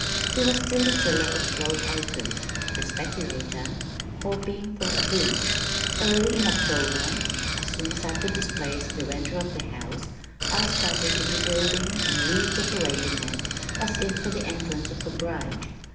He was still the tiller of broad acres, the speculator hoping for a boom. Early in October, as soon as I could displace the renter of the house, I started in rebuilding and redecorating it as if for the entrance of a bride.